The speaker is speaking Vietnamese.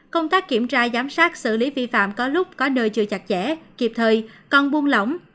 công tác kiểm tra giám sát xử lý vi phạm có lúc có nơi chưa chặt chẽ kịp thời còn buông lỏng